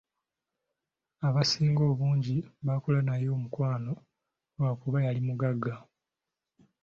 Abasinga obungi baakola naye omukwano lwa kuba yali mugagga.